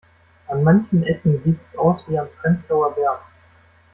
An manchen Ecken sieht es aus wie am Prenzlauer Berg.